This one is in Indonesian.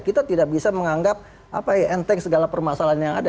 kita tidak bisa menganggap enteng segala permasalahan yang ada